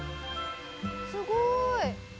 すごーい！